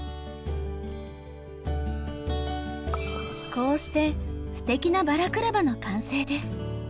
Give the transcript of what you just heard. こうしてすてきなバラクラバの完成です。